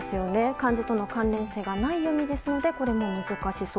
漢字との関連性がない読みなのでこれも難しそう。